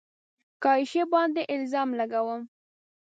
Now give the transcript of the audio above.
که عایشې باندې الزام لګوم